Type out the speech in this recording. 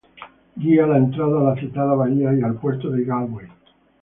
Guía la entrada a la citada bahía y al puerto de Galway.